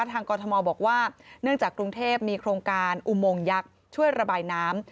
กรทมบอกว่าเนื่องจากกรุงเทพมีโครงการอุโมงยักษ์ช่วยระบายน้ำ